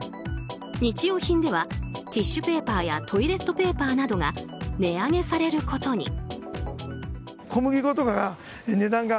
日用品ではティッシュペーパーやトイレットペーパーなどが値上げされることに。